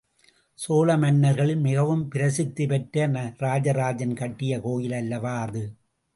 சோழ மன்னர்களில் மிகவும் பிரசித்தி பெற்ற ராஜராஜன் கட்டிய கோயில் அல்லவா அது?